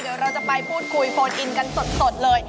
เดี๋ยวเราจะไปพูดคุยโฟนอินกันสดเลย